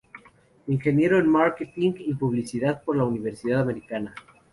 Ingeniero en Marketing y Publicidad por la Universidad Americana.